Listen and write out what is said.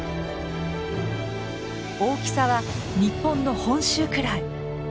大きさは日本の本州くらい。